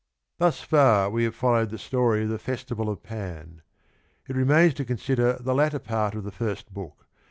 I ^ Thus far \vc have followed the story of the festival of Pan. It remains to consider the latter part of the first book, JlSdenS.